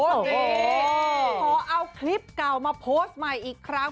ขอเอาคลิปเก่ามาโพสต์ใหม่อีกครั้ง